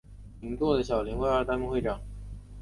银座的小林会二代目会长。